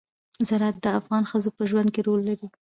زراعت د افغان ښځو په ژوند کې رول لري.